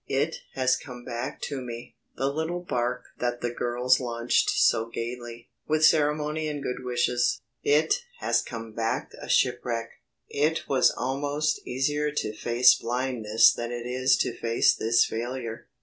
"It has come back to me, the little bark that the girls launched so gaily, with ceremony and good wishes. It has come back a shipwreck! It was almost easier to face blindness than it is to face this failure.